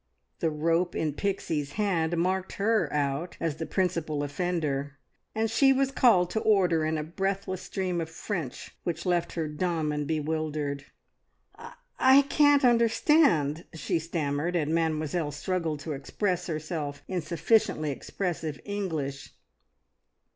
The rope in Pixie's hand marked her out as the principal offender, and she was called to order in a breathless stream of French which left her dumb and bewildered. "I I can't understand!" she stammered, and Mademoiselle struggled to express herself in sufficiently expressive English.